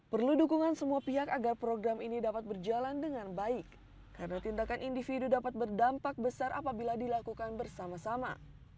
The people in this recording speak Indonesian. perlu dukungan semua pihak agar program ini dapat berjalan dengan baik karena tindakan individu dapat berdampak besar apabila dilakukan bersama sama